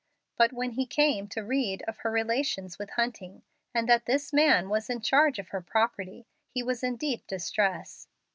But when he came to read of her relations with Hunting, and that this man was in charge of her property, he was in deep distress.